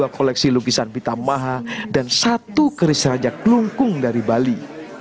satu ratus tiga puluh dua koleksi lukisan pita maha dan satu keris rajak lungkung dari bali